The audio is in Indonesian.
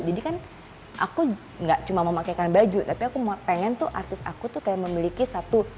jadi kan aku gak cuma mau memakaikan baju tapi aku mau pengen tuh artis aku tuh kayak memiliki satu